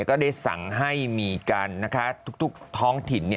ก็ได้สั่งให้มีการทุกท้องถิ่น